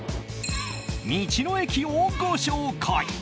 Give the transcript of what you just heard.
道の駅をご紹介。